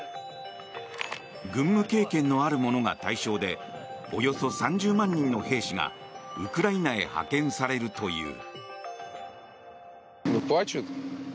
軍務経験のある者が対象でおよそ３０万人の兵士がウクライナへ派遣されるという。